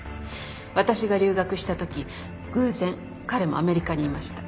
私が留学したとき偶然彼もアメリカにいました。